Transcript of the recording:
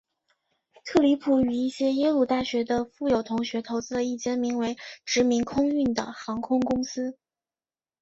特里普与一些耶鲁大学的富有同学投资了一间名为殖民空运的航空公司。